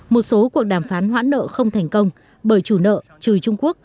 một số cuộc đàm phán hoãn nợ không thành công bởi chủ nợ trừ trung quốc